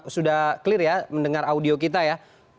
sudah clear ya mendengar audio kita ya